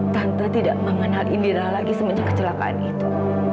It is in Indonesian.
tanpa tidak mengenal indira lagi semenjak kecelakaan itu